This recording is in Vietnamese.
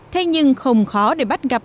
thế nhưng không khó để bắt gặp